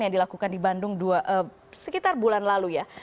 yang dilakukan di bandung sekitar bulan lalu ya